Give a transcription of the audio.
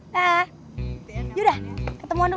yaudah ketemuan dulu